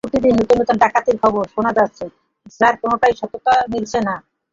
প্রতিদিনই নতুন নতুন ডাকাতির খবর শোনা যাচ্ছে, যার কোনোটিরই সত্যতা মিলছে না।